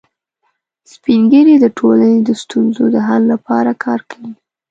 سپین ږیری د ټولنې د ستونزو د حل لپاره کار کوي